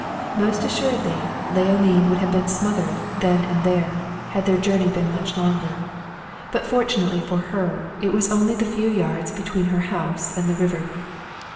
Most assuredly Leoline would have been smothered then and there, had their journey been much longer; but, fortunately for her, it was only the few yards between her house and the river.